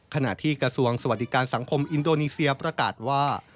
ขณะที่กระทรวงสวัสดิการสังคมอินโดนีเซียประกาศว่า